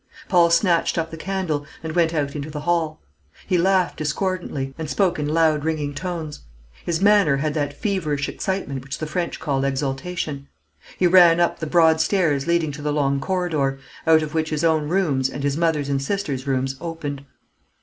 Paul snatched up the candle, and went out into the hall. He laughed discordantly, and spoke in loud ringing tones. His manner had that feverish excitement which the French call exaltation. He ran up the broad stairs leading to the long corridor, out of which his own rooms, and his mother's and sister's rooms, opened.